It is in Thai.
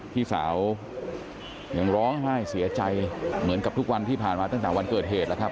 พี่สาวยังร้องไห้เสียใจเหมือนกับทุกวันที่ผ่านมาตั้งแต่วันเกิดเหตุแล้วครับ